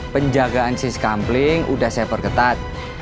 penjagaan sis kampling udah saya perketat